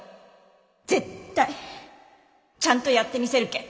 絶対ちゃんとやってみせるけん。